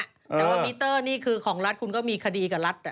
แต่ว่ามิเตอร์นี่คือของรัฐคุณก็มีคดีกับรัฐ